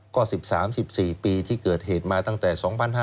ก็๑๓๑๔ปีที่เกิดเหตุมาตั้งแต่๒๕๕๙